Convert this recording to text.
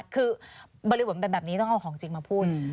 คือบริบทเป็นแบบนี้ต้องเอาของจริงมาพูด